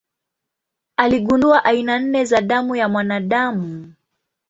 Aligundua aina nne za damu ya mwanadamu.